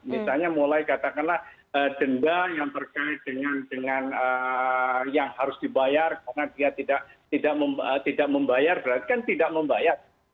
misalnya mulai katakanlah denda yang terkait dengan yang harus dibayar karena dia tidak membayar berarti kan tidak membayar